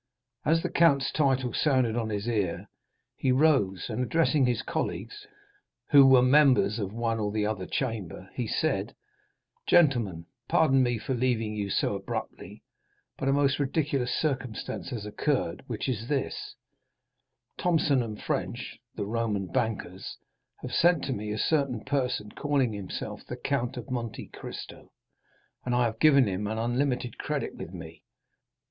As the count's title sounded on his ear he rose, and addressing his colleagues, who were members of one or the other Chamber, he said: "Gentlemen, pardon me for leaving you so abruptly; but a most ridiculous circumstance has occurred, which is this,—Thomson & French, the Roman bankers, have sent to me a certain person calling himself the Count of Monte Cristo, and have given him an unlimited credit with me.